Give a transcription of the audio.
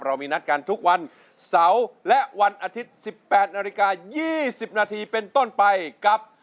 มีนัดกันทุกวันเสาร์และวันอาทิตย์๑๘นาฬิกา๒๐นาทีเป็นต้นไปกับ